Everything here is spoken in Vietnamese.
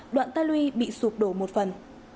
đoạn ta lui bị sụp đổ một phần